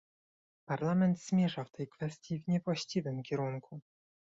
Parlament zmierza w tej kwestii w niewłaściwym kierunku